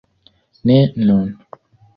Ne nun.